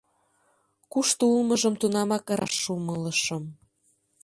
Кушто улмыжым тунамак раш умылыш.